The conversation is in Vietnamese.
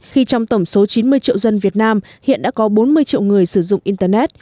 khi trong tổng số chín mươi triệu dân việt nam hiện đã có bốn mươi triệu người sử dụng internet